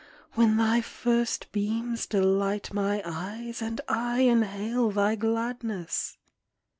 When thy first beams delight my eyes. And I inhale thy gladness!